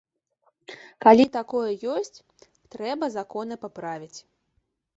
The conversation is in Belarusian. Калі такое ёсць, трэба законы паправіць.